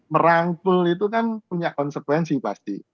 merangkul itu kan punya konsekuensi pasti